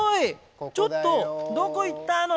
ちょっと、どこ行ったの？